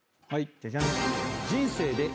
ジャジャン。